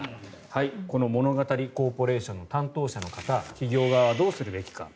この物語コーポレーションの担当者の方企業側はどうするべきか。